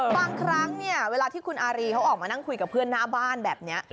บางครั้งเนี่ยเวลาที่คุณอารีเขาออกมานั่งคุยกับเพื่อนหน้าบ้านแบบนี้